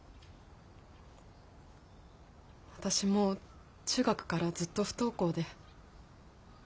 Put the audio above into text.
私も中学からずっと不登校で。